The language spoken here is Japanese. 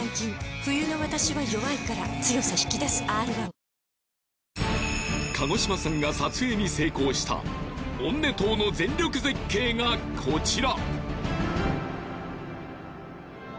そして神子島さんが撮影に成功したオンネトーの全力絶景がコチラ！